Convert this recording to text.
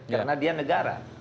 karena dia negara